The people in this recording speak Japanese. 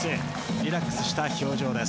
リラックスした表情です。